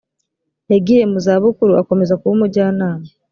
yagiye muzabukuru akomeza kuba umujyanama